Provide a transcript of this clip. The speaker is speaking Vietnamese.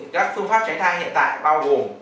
các phương pháp tránh thai hiện tại bao gồm